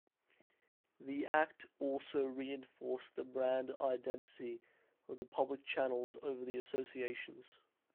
The Act also reinforced the brand identity of the public channels over the associations.